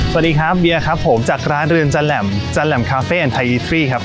สวัสดีครับเบียร์ครับผมจากร้านเรือนจันทร์แหลมจันทร์แหลมคาเฟ่อันไทยครับ